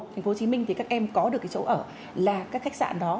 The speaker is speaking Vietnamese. thành phố hồ chí minh thì các em có được cái chỗ ở là các khách sạn đó